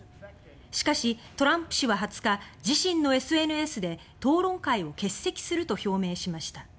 しかしトランプ氏は２０日自身のＳＮＳで討論会に欠席すると表明しました。